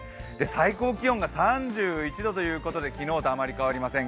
最高気温が３１度ということで昨日とあまり変わりません。